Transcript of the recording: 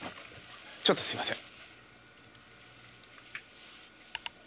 ちょっとすいません。